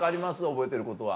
覚えてることは。